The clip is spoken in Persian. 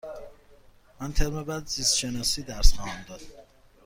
من ترم بعد زیست شناسی درس خواهم داد.